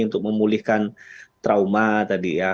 untuk memulihkan trauma tadi ya